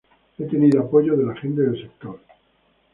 He tenido apoyo de la gente del sector